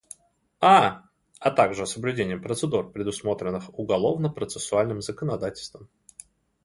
А., а также соблюдением процедур, предусмотренных уголовно-процессуальным законодательством.